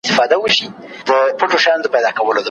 لارښود د ليکني سمه بڼه ښيي.